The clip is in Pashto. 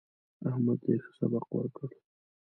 احمد ته يې ښه سبق ورکړ.